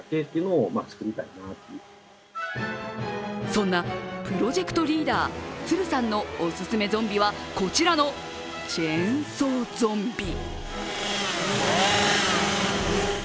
そんなプロジェクトリーダー鶴さんのおすすめゾンビはこちらのチェーンソーゾンビ。